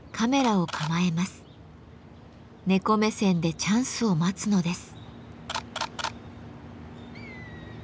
猫目線でチャンスを待つのです。